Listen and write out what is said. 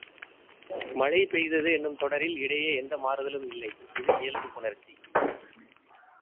மழை பெய்தது என்னும் தொடரில் இடையே எந்த மாறுதலும் இல்லை இது இயல்பு புணர்ச்சி.